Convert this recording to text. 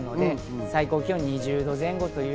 最高気温２０度前後。